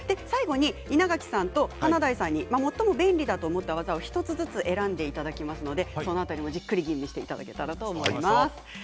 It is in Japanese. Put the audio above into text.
最後に稲垣さんと華大さんに最も便利だと思った技を１つずつ選んでいただきますのでその辺りも、じっくり吟味していただけたらと思います。